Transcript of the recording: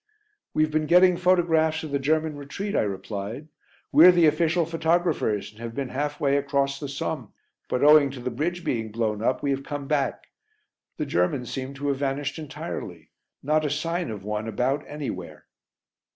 "We've been getting photographs of the German retreat," I replied. "We're the official photographers and have been half way across the Somme, but owing to the bridge being blown up we have come back. The Germans seem to have vanished entirely, not a sign of one about anywhere."